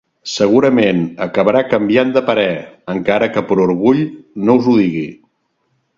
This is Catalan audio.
Segurament, acabarà canviant de parer, encara que per orgull no us ho digui.